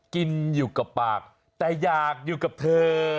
กินอยู่กับปากแต่อยากอยู่กับเธอ